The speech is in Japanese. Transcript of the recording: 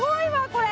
これ。